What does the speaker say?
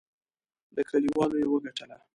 له کلیوالو یې وګټله.